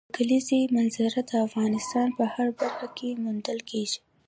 د کلیزو منظره د افغانستان په هره برخه کې موندل کېږي.